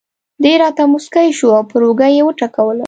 دی راته مسکی شو او پر اوږه یې وټکولم.